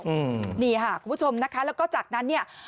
อืมนี่ค่ะคุณผู้ชมนะคะแล้วก็จากนั้นเนี่ย